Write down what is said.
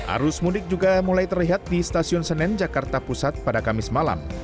arus mudik juga mulai terlihat di stasiun senen jakarta pusat pada kamis malam